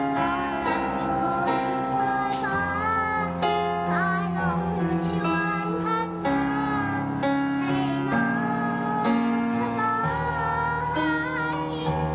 สายลงกันชิ้นหวานขัดมาให้น้องสบาย